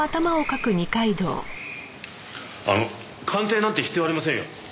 あの鑑定なんて必要ありませんよ。